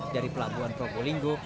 dari pelabuhan probolinggo